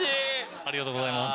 ありがとうございます。